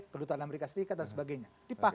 kedutaan amerika serikat dan sebagainya